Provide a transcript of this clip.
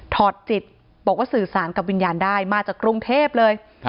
อดจิตบอกว่าสื่อสารกับวิญญาณได้มาจากกรุงเทพเลย